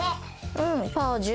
うん、ポージュ。